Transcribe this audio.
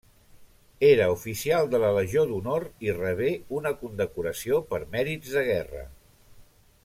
Era oficial de la Legió d'Honor i rebé una condecoració per mèrits de guerra.